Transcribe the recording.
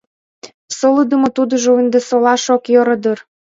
Солыдымо тудыжо ынде солаш ок йӧрӧ дыр.